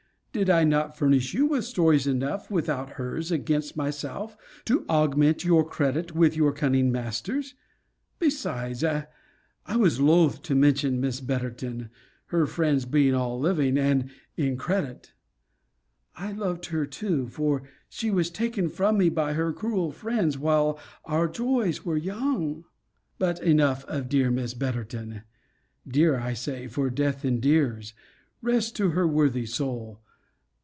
Did I not furnish you with stories enough, without hers, against myself, to augment your credit with your cunning masters? Besides, I was loth to mention Miss Betterton, her friends being all living, and in credit. I loved her too for she was taken from me by her cruel friends, while our joys were young. But enough of dear Miss Betterton. Dear, I say; for death endears. Rest to her worthy soul!